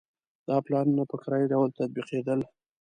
دا پلانونه په کرایي ډول تطبیقېدل.